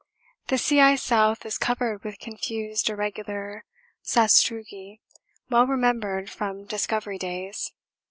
The sea ice south is covered with confused irregular sastrugi well remembered from Discovery days.